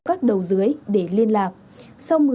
các đầu dưới để liên lạc sau